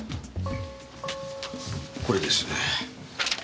これです。